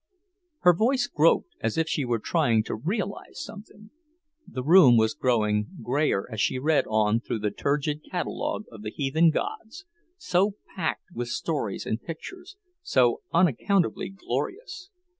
Her voice groped as if she were trying to realize something. The room was growing greyer as she read on through the turgid catalogue of the heathen gods, so packed with stories and pictures, so unaccountably glorious.